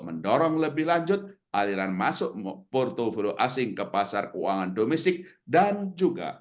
mendorong lebih lanjut aliran masuk mit bandung pro lasing ke pasar keuangan domestik dan juga